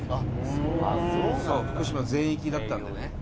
福島全域だったんでね。